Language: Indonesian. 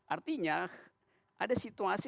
artinya ada situasi